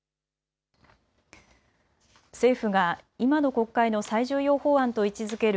政府が今の国会の最重要法案と位置づける